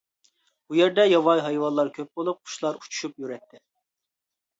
بۇ يەردە ياۋايى ھايۋانلار كۆپ بولۇپ، قۇشلار ئۇچۇشۇپ يۈرەتتى.